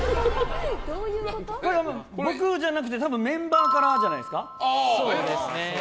これは僕じゃなくてメンバーからじゃないですか？